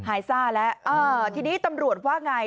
ซ่าแล้วทีนี้ตำรวจว่าไง